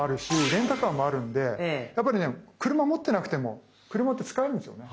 レンタカーもあるんでやっぱりね車持ってなくても車って使えるんですよね。